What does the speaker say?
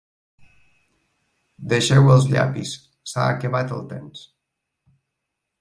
Deixeu els llapis, s'ha acabat el temps.